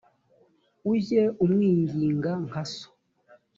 ujye umwinginga nka so